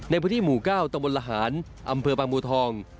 ในพฤติหมู่เกล้าตมละหารอำเภอปางปูทอง